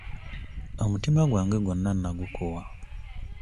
Omutima gwange gwonna nnagukuwa.